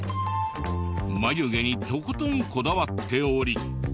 眉毛にとことんこだわっており。